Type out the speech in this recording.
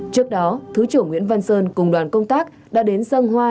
trước đó thứ trưởng nguyễn văn sơn cùng đoàn công tác đã đến dân hoa